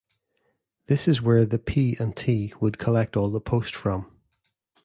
This is where the P and T would collect all the post from.